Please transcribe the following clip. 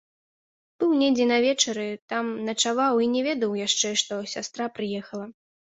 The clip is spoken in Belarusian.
Быў недзе на вечары, там начаваў і не ведаў яшчэ, што сястра прыехала.